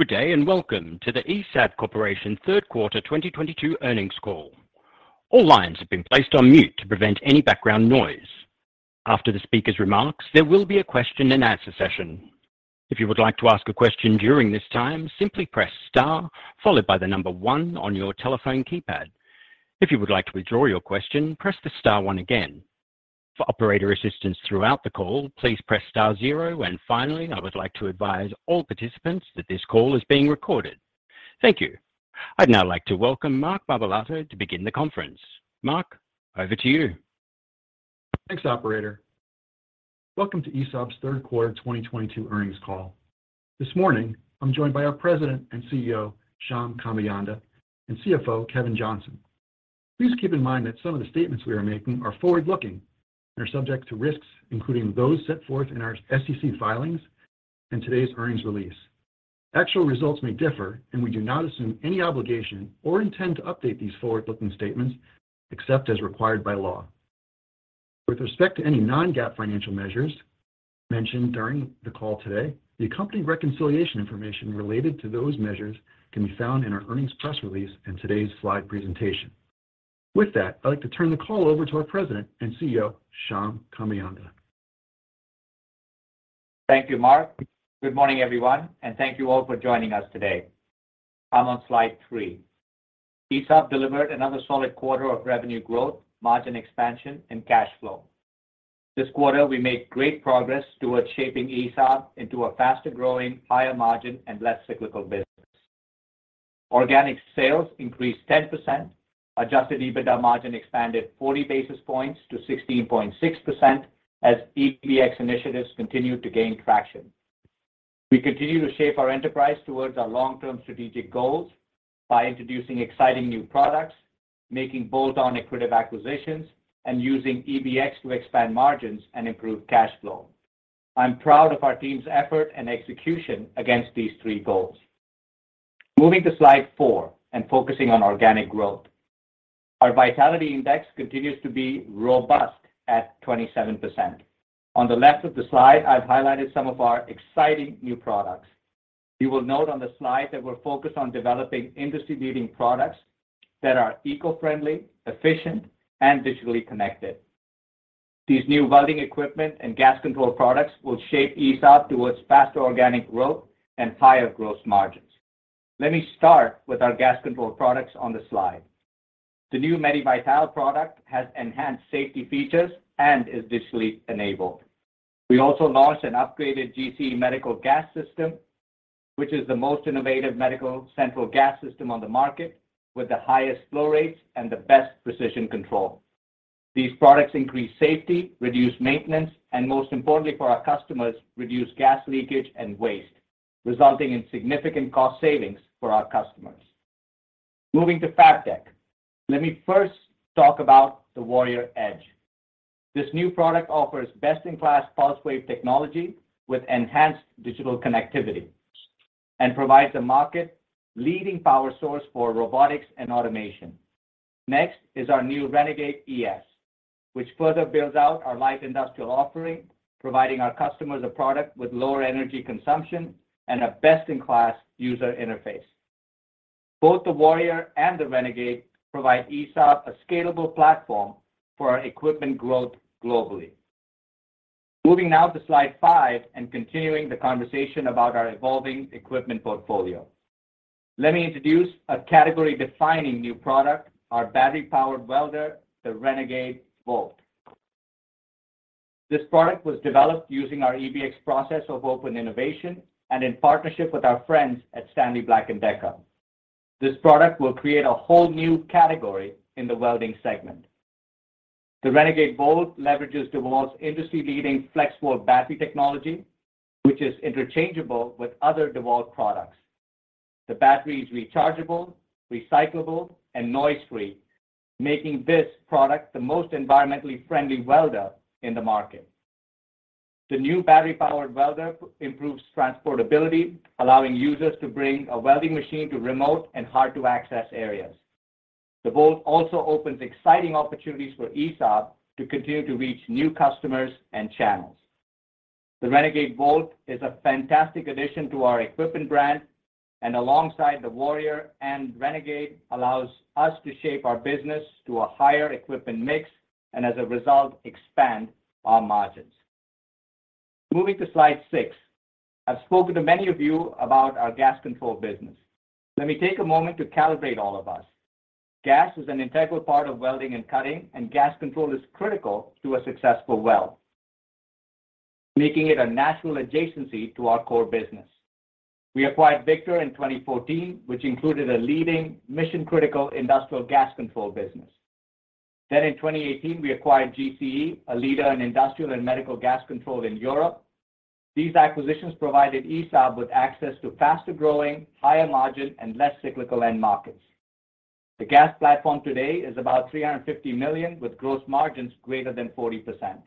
Good day, and welcome to the ESAB Corporation third quarter 2022 earnings call. All lines have been placed on mute to prevent any background noise. After the speaker's remarks, there will be a question and answer session. If you would like to ask a question during this time, simply press star followed by the number one on your telephone keypad. If you would like to withdraw your question, press the star one again. For operator assistance throughout the call, please press star zero. Finally, I would like to advise all participants that this call is being recorded. Thank you. I'd now like to welcome Mark Barbalato to begin the conference. Mark, over to you. Thanks, operator. Welcome to ESAB's third quarter 2022 earnings call. This morning, I'm joined by our President and CEO, Shyam Kambeyanda, and CFO, Kevin Johnson. Please keep in mind that some of the statements we are making are forward-looking and are subject to risks, including those set forth in our SEC filings and today's earnings release. Actual results may differ, and we do not assume any obligation or intend to update these forward-looking statements except as required by law. With respect to any non-GAAP financial measures mentioned during the call today, the accompanying reconciliation information related to those measures can be found in our earnings press release and today's slide presentation. With that, I'd like to turn the call over to our President and CEO, Shyam Kambeyanda. Thank you, Mark. Good morning, everyone, and thank you all for joining us today. I'm on slide three. ESAB delivered another solid quarter of revenue growth, margin expansion, and cash flow. This quarter, we made great progress towards shaping ESAB into a faster-growing, higher margin, and less cyclical business. Organic sales increased 10%. Adjusted EBITDA margin expanded 40 basis points to 16 points. 6% as EBX initiatives continued to gain traction. We continue to shape our enterprise towards our long-term strategic goals by introducing exciting new products, making bolt-on accretive acquisitions, and using EBX to expand margins and improve cash flow. I'm proud of our team's effort and execution against these three goals. Moving to slide four and focusing on organic growth. Our vitality index continues to be robust at 27%. On the left of the slide, I've highlighted some of our exciting new products. You will note on the slide that we're focused on developing industry-leading products that are eco-friendly, efficient, and digitally connected. These new welding equipment and gas control products will shape ESAB towards faster organic growth and higher gross margins. Let me start with our gas control products on the slide. The new MediVital product has enhanced safety features and is digitally enabled. We also launched an upgraded GCE medical gas system, which is the most innovative medical central gas system on the market with the highest flow rates and the best precision control. These products increase safety, reduce maintenance, and most importantly for our customers, reduce gas leakage and waste, resulting in significant cost savings for our customers. Moving to FABTECH. Let me first talk about the Warrior Edge. This new product offers best-in-class pulse wave technology with enhanced digital connectivity and provides a market-leading power source for robotics and automation. Next is our new Renegade ES, which further builds out our light industrial offering, providing our customers a product with lower energy consumption and a best-in-class user interface. Both the Warrior and the Renegade provide ESAB a scalable platform for our equipment growth globally. Moving now to slide five and continuing the conversation about our evolving equipment portfolio. Let me introduce a category-defining new product, our battery-powered welder, the Renegade VOLT. This product was developed using our EBX process of open innovation and in partnership with our friends at Stanley Black & Decker. This product will create a whole new category in the welding segment. The Renegade VOLT leverages DEWALT's industry-leading FLEXVOLT battery technology, which is interchangeable with other DEWALT products. The battery is rechargeable, recyclable, and noise-free, making this product the most environmentally friendly welder in the market. The new battery-powered welder improves transportability, allowing users to bring a welding machine to remote and hard-to-access areas. The Volt also opens exciting opportunities for ESAB to continue to reach new customers and channels. The Renegade VOLT is a fantastic addition to our equipment brand, and alongside the Warrior and Renegade, allows us to shape our business to a higher equipment mix and, as a result, expand our margins. Moving to slide six. I've spoken to many of you about our gas control business. Let me take a moment to calibrate all of us. Gas is an integral part of welding and cutting, and gas control is critical to a successful weld, making it a natural adjacency to our core business. We acquired Victor in 2014, which included a leading mission-critical industrial gas control business. Then in 2018, we acquired GCE, a leader in industrial and medical gas control in Europe. These acquisitions provided ESAB with access to faster-growing, higher margin, and less cyclical end markets. The gas platform today is about $350 million, with gross margins greater than 40%.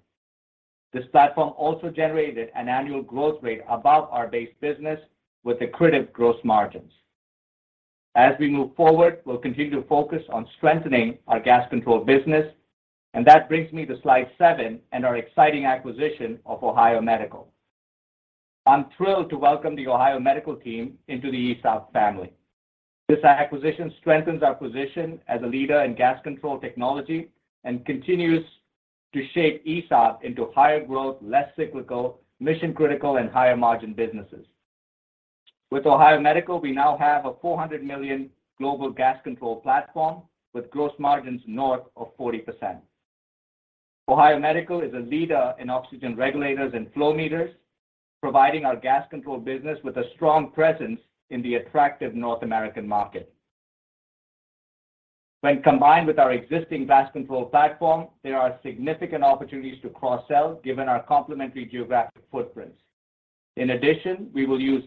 This platform also generated an annual growth rate above our base business with accretive gross margins. As we move forward, we'll continue to focus on strengthening our gas control business. That brings me to slide seven and our exciting acquisition of Ohio Medical. I'm thrilled to welcome the Ohio Medical team into the ESAB family. This acquisition strengthens our position as a leader in gas control technology and continues to shape ESAB into higher growth, less cyclical, mission-critical, and higher margin businesses. With Ohio Medical, we now have a $400 million global gas control platform with gross margins north of 40%. Ohio Medical is a leader in oxygen regulators and flow meters, providing our gas control business with a strong presence in the attractive North American market. When combined with our existing gas control platform, there are significant opportunities to cross-sell given our complementary geographic footprints. In addition, we will use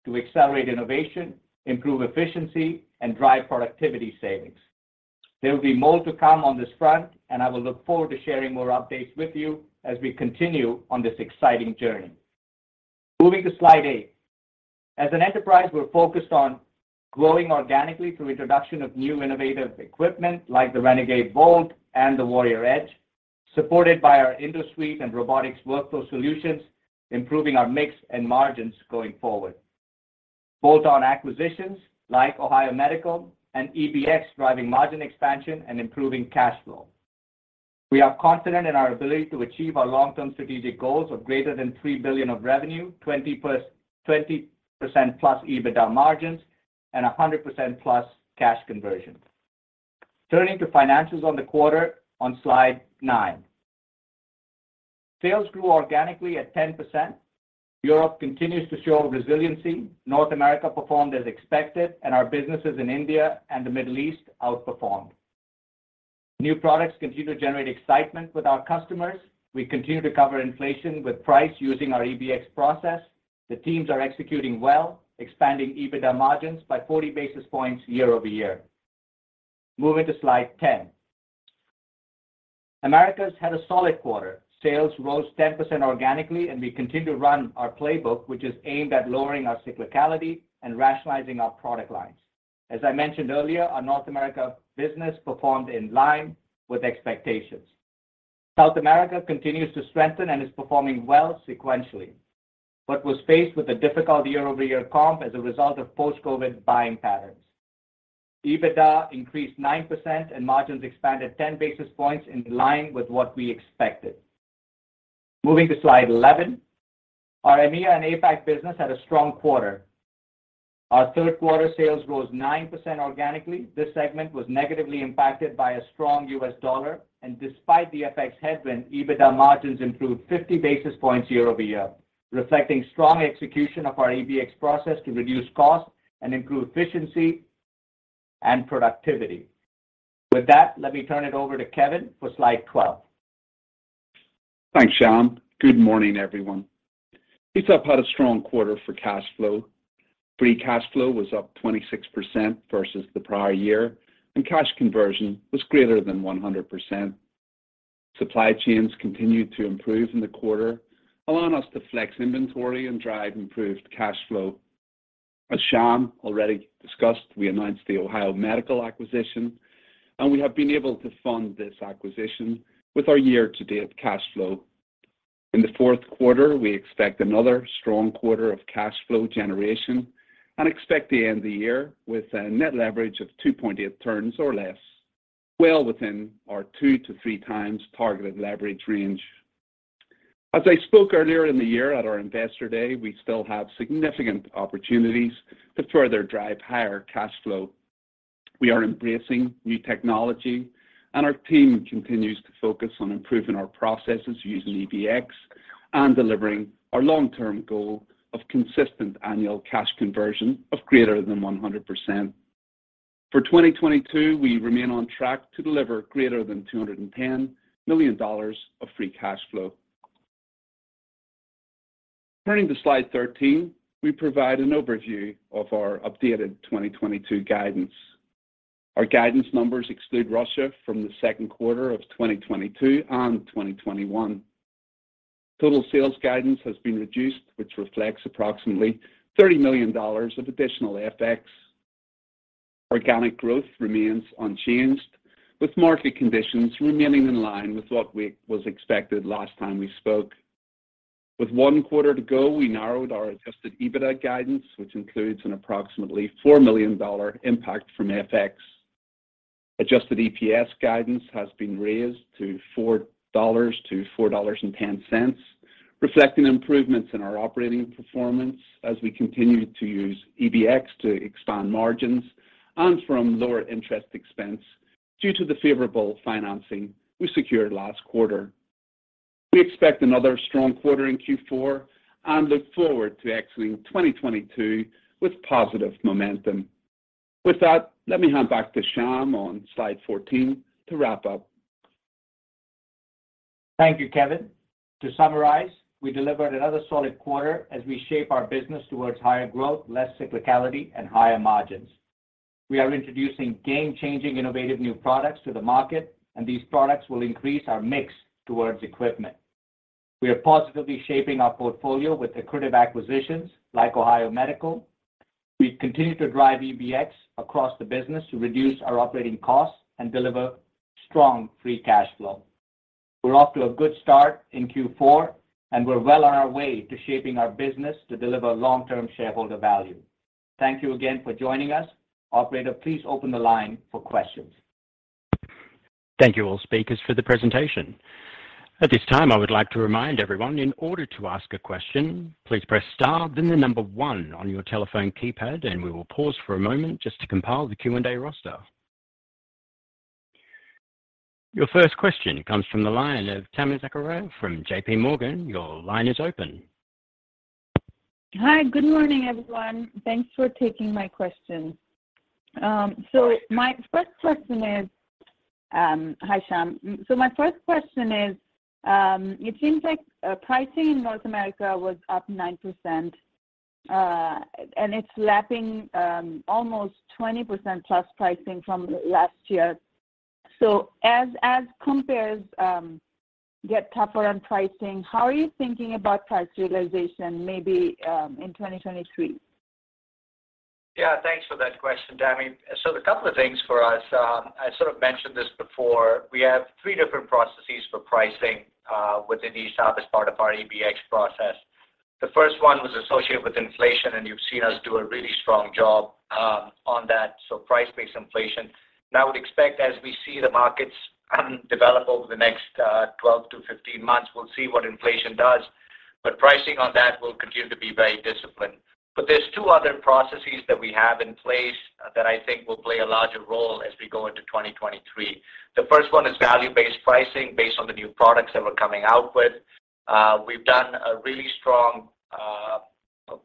EBX to accelerate innovation, improve efficiency, and drive productivity savings. There will be more to come on this front, and I will look forward to sharing more updates with you as we continue on this exciting journey. Moving to slide eight. As an enterprise, we're focused on growing organically through introduction of new innovative equipment like the Renegade VOLT and the Warrior Edge, supported by our InduSuite and robotics workflow solutions, improving our mix and margins going forward. Bolt-on acquisitions like Ohio Medical and EBX driving margin expansion and improving cash flow. We are confident in our ability to achieve our long-term strategic goals of greater than $3 billion of revenue, 20%+ EBITDA margins, and 100%+ cash conversion. Turning to financials for the quarter on slide nine. Sales grew organically at 10%. Europe continues to show resiliency. North America performed as expected, and our businesses in India and the Middle East outperformed. New products continue to generate excitement with our customers. We continue to cover inflation with price using our EBX process. The teams are executing well, expanding EBITDA margins by 40 basis points year-over-year. Moving to slide 10. Americas had a solid quarter. Sales rose 10% organically, and we continue to run our playbook, which is aimed at lowering our cyclicality and rationalizing our product lines. As I mentioned earlier, our North America business performed in line with expectations. South America continues to strengthen and is performing well sequentially, but was faced with a difficult year-over-year comp as a result of post-COVID buying patterns. EBITDA increased 9% and margins expanded 10 basis points in line with what we expected. Moving to slide 11. Our EMEA and APAC business had a strong quarter. Our third quarter sales rose 9% organically. This segment was negatively impacted by a strong U.S. dollar, and despite the FX headwind, EBITDA margins improved 50 basis points year-over-year, reflecting strong execution of our EBX process to reduce cost and improve efficiency and productivity. With that, let me turn it over to Kevin for slide 12. Thanks, Shyam. Good morning, everyone. ESAB had a strong quarter for cash flow. Free cash flow was up 26% versus the prior year, and cash conversion was greater than 100%. Supply chains continued to improve in the quarter, allowing us to flex inventory and drive improved cash flow. As Shyam already discussed, we announced the Ohio Medical acquisition, and we have been able to fund this acquisition with our year-to-date cash flow. In the fourth quarter, we expect another strong quarter of cash flow generation and expect to end the year with a net leverage of 2.8 turns or less, well within our 2-3 times targeted leverage range. As I spoke earlier in the year at our Investor Day, we still have significant opportunities to further drive higher cash flow. We are embracing new technology and our team continues to focus on improving our processes using EBX and delivering our long-term goal of consistent annual cash conversion of greater than 100%. For 2022, we remain on track to deliver greater than $210 million of free cash flow. Turning to slide 13, we provide an overview of our updated 2022 guidance. Our guidance numbers exclude Russia from the second quarter of 2022 and 2021. Total sales guidance has been reduced, which reflects approximately $30 million of additional FX. Organic growth remains unchanged, with market conditions remaining in line with what was expected last time we spoke. With one quarter to go, we narrowed our adjusted EBITDA guidance, which includes an approximately $4 million impact from FX. Adjusted EPS guidance has been raised to $4-$4.10, reflecting improvements in our operating performance as we continue to use EBX to expand margins and from lower interest expense due to the favorable financing we secured last quarter. We expect another strong quarter in Q4 and look forward to exiting 2022 with positive momentum. With that, let me hand back to Shyam on slide 14 to wrap up. Thank you, Kevin. To summarize, we delivered another solid quarter as we shape our business towards higher growth, less cyclicality, and higher margins. We are introducing game-changing innovative new products to the market, and these products will increase our mix towards equipment. We are positively shaping our portfolio with accretive acquisitions like Ohio Medical. We continue to drive EBX across the business to reduce our operating costs and deliver strong free cash flow. We're off to a good start in Q4, and we're well on our way to shaping our business to deliver long-term shareholder value. Thank you again for joining us. Operator, please open the line for questions. Thank you all speakers for the presentation. At this time, I would like to remind everyone, in order to ask a question, please press star then the number one on your telephone keypad, and we will pause for a moment just to compile the Q&A roster. Your first question comes from the line of Tami Zakaria from J.P. Morgan. Your line is open. Hi. Good morning, everyone. Thanks for taking my question. Hi Shyam. My first question is, it seems like pricing in North America was up 9%, and it's lapping almost 20% plus pricing from last year. As comps get tougher on pricing, how are you thinking about price realization maybe in 2023? Yeah. Thanks for that question, Tami. A couple of things for us. I sort of mentioned this before. We have three different processes for pricing within ESAB as part of our EBX process. The first one was associated with inflation, and you've seen us do a really strong job on that, so price-based inflation. I would expect as we see the markets develop over the next 12-15 months, we'll see what inflation does. Pricing on that will continue to be very disciplined. There's two other processes that we have in place that I think will play a larger role as we go into 2023. The first one is value-based pricing based on the new products that we're coming out with. We've done a really strong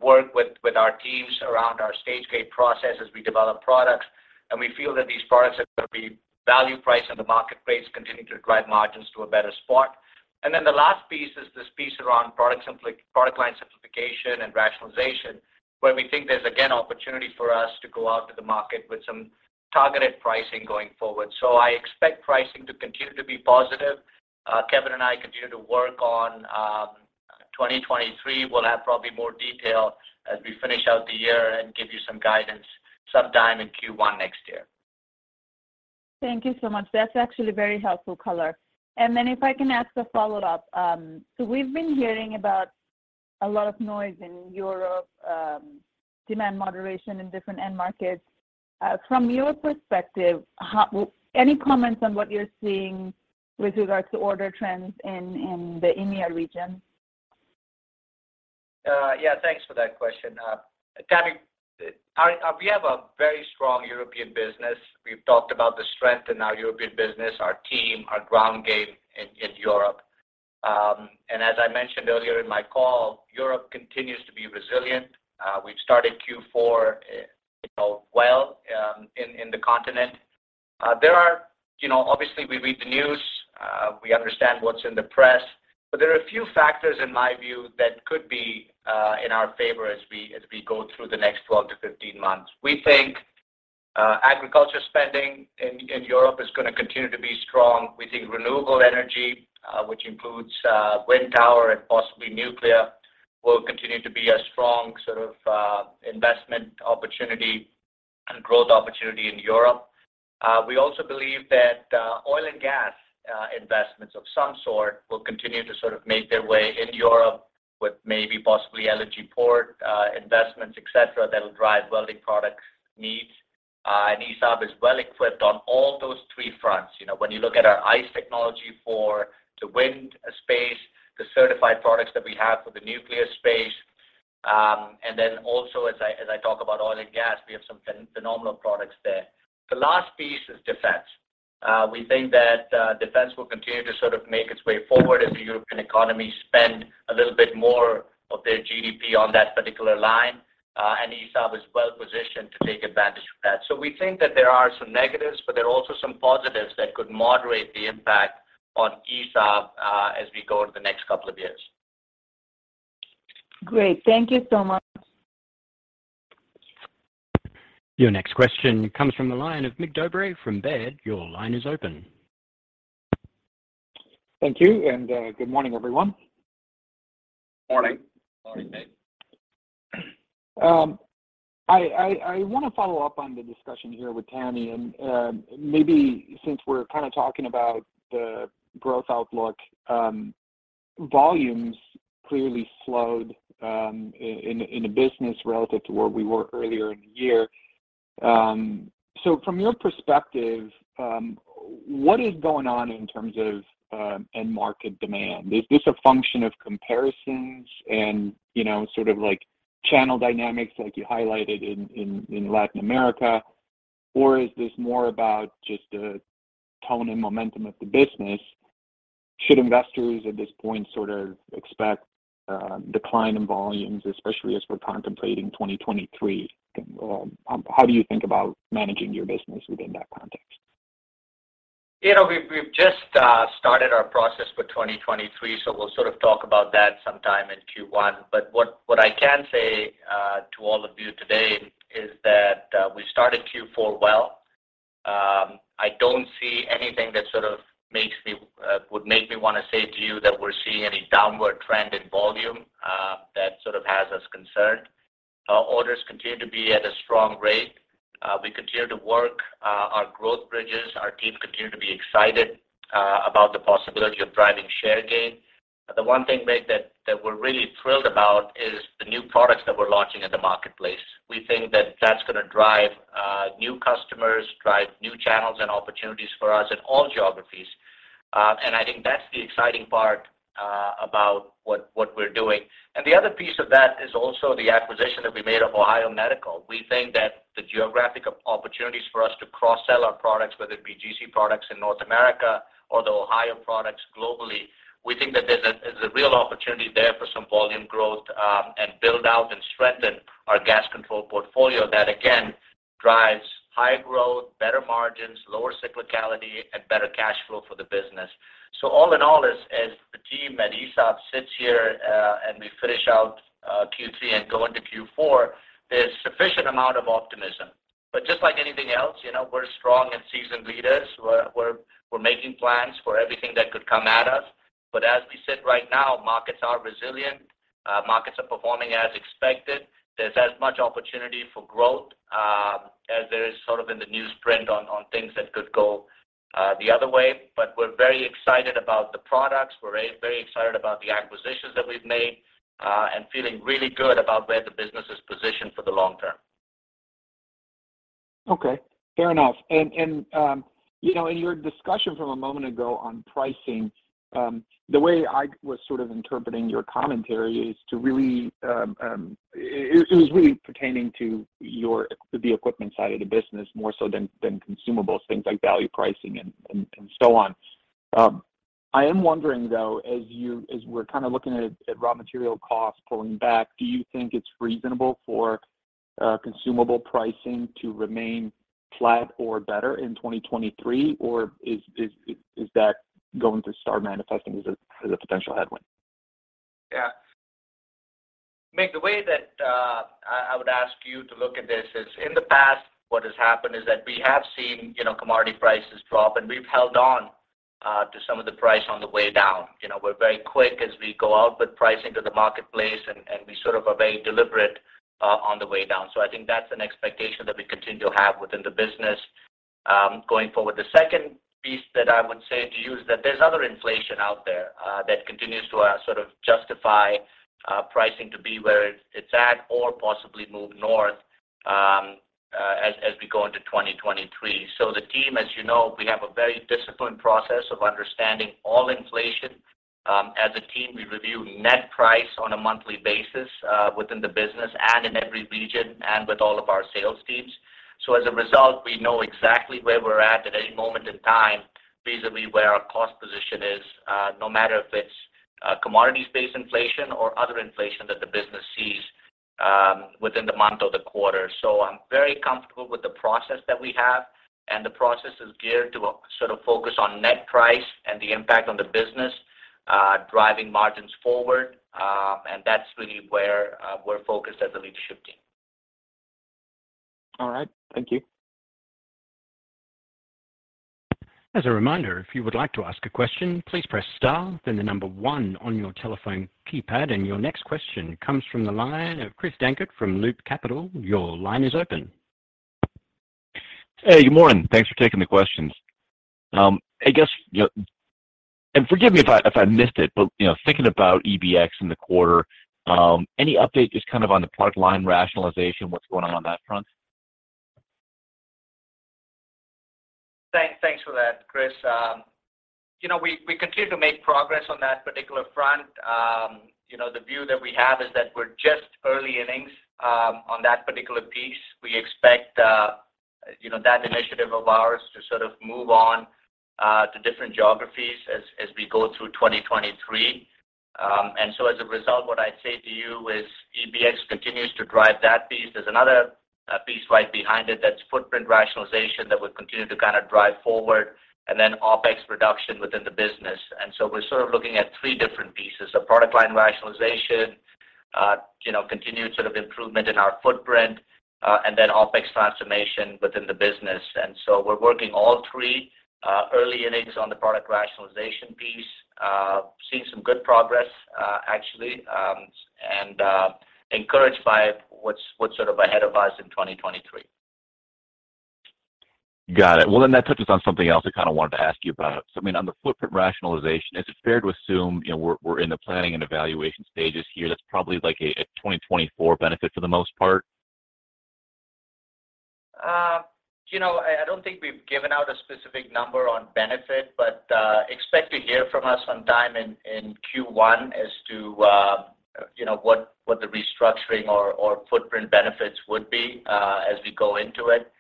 work with our teams around our stage gate process as we develop products, and we feel that these products are gonna be value priced and the market rates continue to drive margins to a better spot. Then the last piece is this piece around product line simplification and rationalization, where we think there's, again, opportunity for us to go out to the market with some targeted pricing going forward. I expect pricing to continue to be positive. Kevin and I continue to work on 2023. We'll have probably more detail as we finish out the year and give you some guidance sometime in Q1 next year. Thank you so much. That's actually very helpful color. If I can ask a follow-up. We've been hearing about a lot of noise in Europe, demand moderation in different end markets. From your perspective, any comments on what you're seeing with regards to order trends in the EMEA region? Thanks for that question. Tami, we have a very strong European business. We've talked about the strength in our European business, our team, our ground game in Europe. As I mentioned earlier in my call, Europe continues to be resilient. We've started Q4, you know, well, in the continent. There are. You know, obviously, we read the news, we understand what's in the press, but there are a few factors in my view that could be in our favor as we go through the next 12-15 months. We think agriculture spending in Europe is gonna continue to be strong. We think renewable energy, which includes wind tower and possibly nuclear, will continue to be a strong sort of investment opportunity and growth opportunity in Europe. We also believe that oil and gas investments of some sort will continue to sort of make their way in Europe with maybe possibly LNG port investments, et cetera, that'll drive welding product needs. ESAB is well equipped on all those three fronts. You know, when you look at our ICE technology for the wind space, the certified products that we have for the nuclear space. Then also as I talk about oil and gas, we have some phenomenal products there. The last piece is defense. We think that defense will continue to sort of make its way forward as the European economy spend a little bit more of their GDP on that particular line, and ESAB is well positioned to take advantage of that. We think that there are some negatives, but there are also some positives that could moderate the impact on ESAB, as we go over the next couple of years. Great. Thank you so much. Your next question comes from the line of Mig Dobre from Baird. Your line is open. Thank you, and good morning, everyone. Morning. Morning, Mig. I wanna follow up on the discussion here with Tami and maybe since we're kind of talking about the growth outlook, volumes clearly slowed in the business relative to where we were earlier in the year. From your perspective, what is going on in terms of end market demand? Is this a function of comparisons and, you know, sort of like channel dynamics like you highlighted in Latin America? Or is this more about just a tone and momentum of the business? Should investors at this point sort of expect a decline in volumes, especially as we're contemplating 2023? How do you think about managing your business within that context? You know, we've just started our process for 2023, so we'll sort of talk about that sometime in Q1. What I can say to all of you today is that we started Q4 well. I don't see anything that sort of would make me wanna say to you that we're seeing any downward trend in volume that sort of has us concerned. Our orders continue to be at a strong rate. We continue to work our growth bridges. Our team continue to be excited about the possibility of driving share gain. The one thing, Mig, that we're really thrilled about is the new products that we're launching in the marketplace. We think that that's gonna drive new customers, drive new channels and opportunities for us in all geographies. I think that's the exciting part about what we're doing. The other piece of that is also the acquisition that we made of Ohio Medical. We think that the geographic opportunities for us to cross-sell our products, whether it be GCE products in North America or the Ohio products globally, we think that there's a real opportunity there for some volume growth, and build out and strengthen our gas control portfolio that again drives high growth, better margins, lower cyclicality, and better cash flow for the business. All in all, as the team at ESAB sits here, and we finish out Q3 and go into Q4, there's sufficient amount of optimism. Just like anything else, you know, we're strong and seasoned leaders. We're making plans for everything that could come at us. As we sit right now, markets are resilient. Markets are performing as expected. There's as much opportunity for growth as there is sort of in the newsprint on things that could go the other way. We're very excited about the products. We're very excited about the acquisitions that we've made, and feeling really good about where the business is positioned for the long term. Okay. Fair enough. You know, in your discussion from a moment ago on pricing, the way I was sort of interpreting your commentary is to really. It was really pertaining to the equipment side of the business more so than consumables, things like value pricing and so on. I am wondering, though, as we're kinda looking at raw material costs pulling back, do you think it's reasonable for consumable pricing to remain flat or better in 2023? Or is that going to start manifesting as a potential headwind? Yeah. Mig, the way that I would ask you to look at this is in the past, what has happened is that we have seen, you know, commodity prices drop, and we've held on to some of the price on the way down. You know, we're very quick as we go out with pricing to the marketplace, and we sort of are very deliberate on the way down. I think that's an expectation that we continue to have within the business going forward. The second piece that I would say to you is that there's other inflation out there that continues to sort of justify pricing to be where it's at or possibly move north as we go into 2023. The team, as you know, we have a very disciplined process of understanding all inflation. As a team, we review net price on a monthly basis, within the business and in every region and with all of our sales teams. As a result, we know exactly where we're at any moment in time, reasonably where our cost position is, no matter if it's a commodity space inflation or other inflation that the business sees, within the month or the quarter. I'm very comfortable with the process that we have, and the process is geared to sort of focus on net price and the impact on the business, driving margins forward. That's really where we're focused as a leadership team. All right. Thank you. As a reminder, if you would like to ask a question, please press star, then the number one on your telephone keypad. Your next question comes from the line of Chris Dankert from Loop Capital. Your line is open. Hey. Good morning. Thanks for taking the questions. I guess, you know, forgive me if I missed it, but, you know, thinking about EBX in the quarter, any update just kind of on the product line rationalization, what's going on that front? Thanks for that, Chris. You know, we continue to make progress on that particular front. The view that we have is that we're just early innings on that particular piece. We expect that initiative of ours to sort of move on to different geographies as we go through 2023. As a result, what I'd say to you is EBX continues to drive that piece. There's another piece right behind it that's footprint rationalization that we've continued to kind of drive forward, and then OpEx reduction within the business. We're sort of looking at three different pieces, the product line rationalization, continued sort of improvement in our footprint, and then OpEx transformation within the business. We're working all three, early innings on the product rationalization piece. Seeing some good progress, actually, encouraged by what's sort of ahead of us in 2023. Got it. Well, that touches on something else I kinda wanted to ask you about. I mean, on the footprint rationalization, is it fair to assume, you know, we're in the planning and evaluation stages here, that's probably like a 2024 benefit for the most part? You know, I don't think we've given out a specific number on benefit, but expect to hear from us sometime in Q1 as to what the restructuring or footprint benefits would be as we go into it.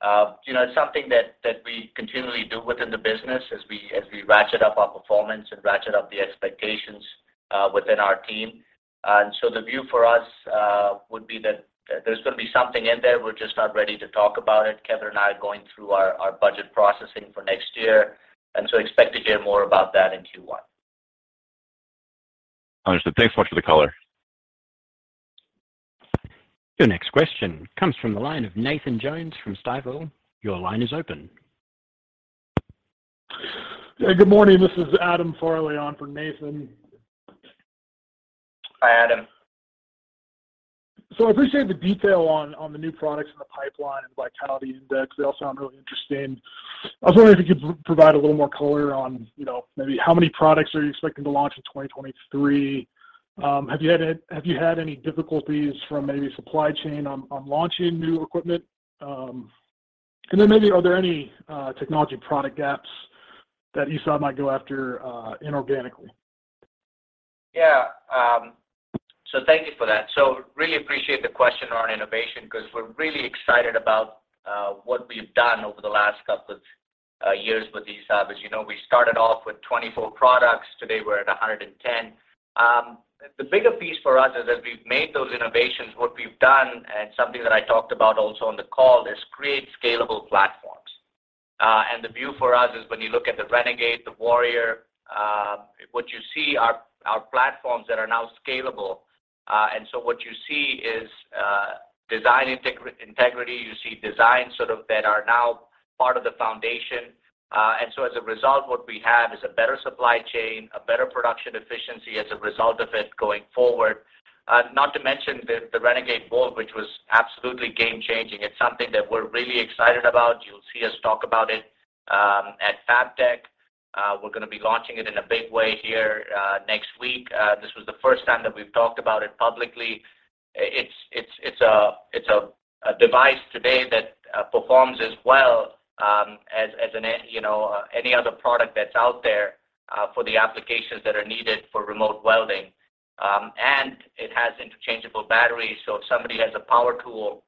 It's something that we continually do within the business as we ratchet up our performance and ratchet up the expectations within our team. The view for us would be that there's gonna be something in there. We're just not ready to talk about it. Kevin and I are going through our budget processing for next year, and so expect to hear more about that in Q1. Understood. Thanks so much for the color. Your next question comes from the line of Nathan Jones from Stifel. Your line is open. Yeah, good morning. This is Adam Farley on for Nathan. Hi, Adam. I appreciate the detail on the new products in the pipeline and vitality index. They all sound really interesting. I was wondering if you could provide a little more color on, you know, maybe how many products are you expecting to launch in 2023. Have you had any difficulties from maybe supply chain on launching new equipment? Maybe are there any technology product gaps that ESAB might go after inorganically? Yeah. Thank you for that. Really appreciate the question around innovation 'cause we're really excited about what we've done over the last couple of years with ESAB. As you know, we started off with 24 products. Today, we're at 110. The bigger piece for us is as we've made those innovations, what we've done, and something that I talked about also on the call, is create scalable platforms. The view for us is when you look at the Renegade, the Warrior, what you see are platforms that are now scalable. What you see is design integrity. You see designs sort of that are now part of the foundation. As a result, what we have is a better supply chain, a better production efficiency as a result of it going forward. Not to mention the Renegade VOLT, which was absolutely game changing. It's something that we're really excited about. You'll see us talk about it at FABTECH. We're gonna be launching it in a big way here next week. This was the first time that we've talked about it publicly. It's a device today that performs as well as any other product that's out there for the applications that are needed for remote welding. It has interchangeable batteries, so if somebody has a power tool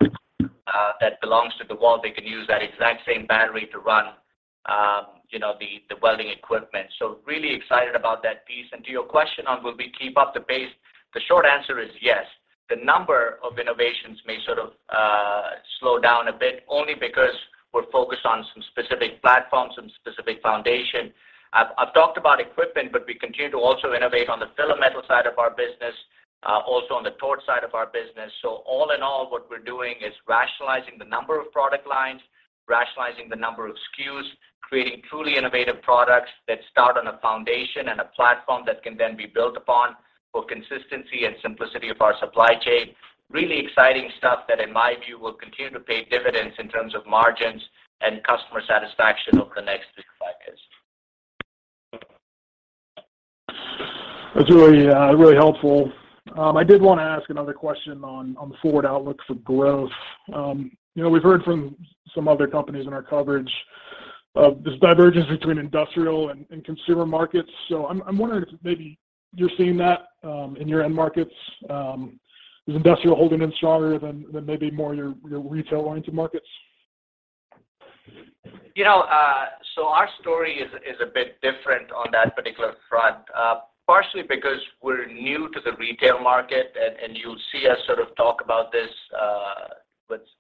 that belongs to DEWALT, they can use that exact same battery to run you know the welding equipment. So really excited about that piece. To your question on will we keep up the pace, the short answer is yes. The number of innovations may sort of slow down a bit only because we're focused on some specific platforms, some specific foundation. I've talked about equipment, but we continue to also innovate on the filament side of our business, also on the torch side of our business. All in all, what we're doing is rationalizing the number of product lines, rationalizing the number of SKUs, creating truly innovative products that start on a foundation and a platform that can then be built upon for consistency and simplicity of our supply chain. Really exciting stuff that, in my view, will continue to pay dividends in terms of margins and customer satisfaction over the next 3-5 years. That's really, really helpful. I did wanna ask another question on the forward outlook for growth. You know, we've heard from some other companies in our coverage of this divergence between industrial and consumer markets. I'm wondering if maybe you're seeing that in your end markets. Is industrial holding in stronger than maybe more your retail-oriented markets? You know, our story is a bit different on that particular front, partially because we're new to the retail market and you'll see us sort of talk about this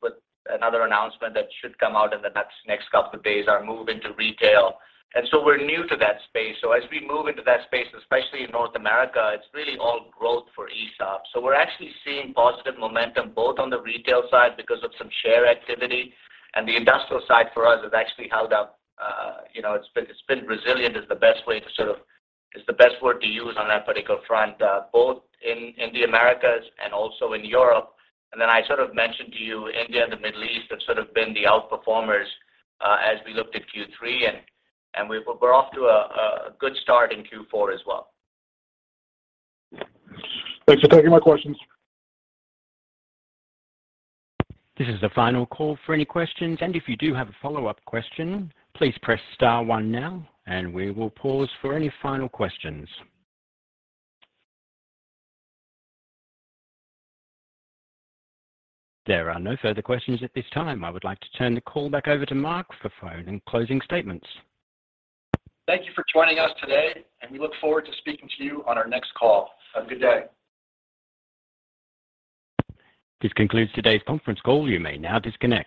with another announcement that should come out in the next couple of days, our move into retail. We're new to that space. As we move into that space, especially in North America, it's really all growth for ESAB. We're actually seeing positive momentum both on the retail side because of some share activity. The industrial side for us has actually held up, you know, it's been resilient is the best word to use on that particular front, both in the Americas and also in Europe. I sort of mentioned to you, India and the Middle East have sort of been the out-performers, as we looked at Q3 and we're off to a good start in Q4 as well. Thanks for taking my questions. This is the final call for any questions. If you do have a follow-up question, please press star one now, and we will pause for any final questions. There are no further questions at this time. I would like to turn the call back over to Mark for final and closing statements. Thank you for joining us today, and we look forward to speaking to you on our next call. Have a good day. This concludes today's conference call. You may now disconnect.